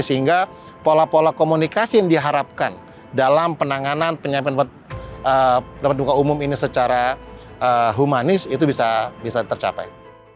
sehingga pola pola komunikasi yang diharapkan dalam penanganan penyampaian pendapat umum ini secara humanis itu bisa tercapai